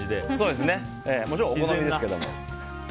もちろんお好みですけど。